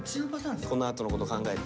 このあとのこと考えて。